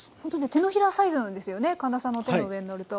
手のひらサイズなんですよね神田さんの手の上にのると。